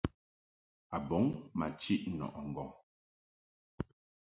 A bɔŋ ma chiʼ nɔʼɨ ŋgɔŋ.